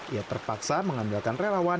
ia terpaksa mengambilkan relawan yang memperhatikan